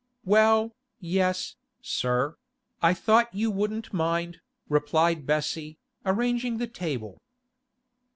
'Well, yes, sir; I thought you wouldn't mind,' replied Bessie, arranging the table.